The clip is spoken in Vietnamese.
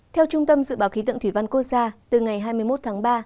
theo trung tâm dự báo khí tượng thủy văn quốc gia từ ngày hai mươi một tháng ba